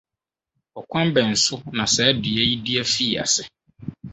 Ɔkwan bɛn so na saa dua yi dua fii ase?